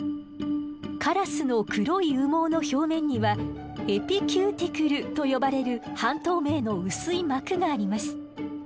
カラスの黒い羽毛の表面にはエピキューティクルと呼ばれる半透明の薄い膜があります。